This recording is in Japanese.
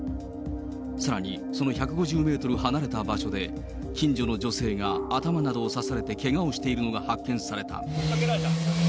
さらにその１５０メートル離れた場所で、近所の女性が頭などを刺されてけがをしているのが発見された。